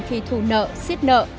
khi thu nợ xiết nợ